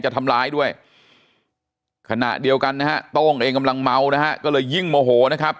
จะทำร้ายด้วยขณะเดียวกันนะฮะโต้งเองกำลังเมานะฮะก็เลยยิ่งโมโหนะครับ